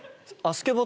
スケボー